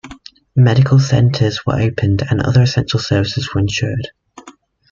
Medical centres were opened and other essential services were ensured.